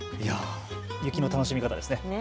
雪の楽しみ方ですね。